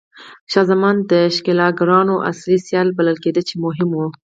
شاه زمان د ښکېلاګرانو اصلي سیال بلل کېده چې مهم و.